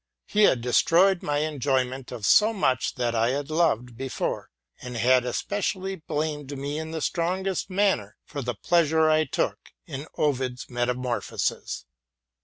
He had destroyed my enjoyment of so much that I had loved before, and had especially blamed me in the strongest man ner for the pleasure I took in '+ Ovid's Metamorphoses.